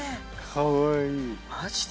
かわいい！